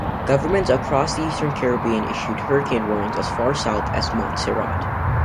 Governments across the eastern Caribbean issued hurricane warnings as far south as Montserrat.